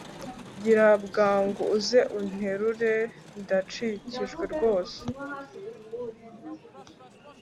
gira bwangu uze unterure ndacikirijwe rwose